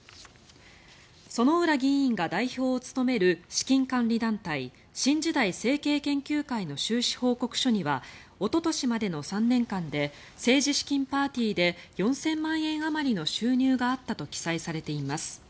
薗浦議員が代表を務める資金管理団体新時代政経研究会の収支報告書にはおととしまでの３年間で政治資金パーティーで４０００万円あまりの収入があったと記載されています。